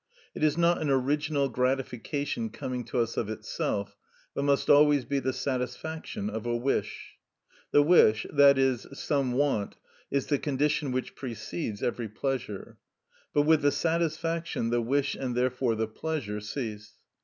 It is not an original gratification coming to us of itself, but must always be the satisfaction of a wish. The wish, i.e., some want, is the condition which precedes every pleasure. But with the satisfaction the wish and therefore the pleasure cease.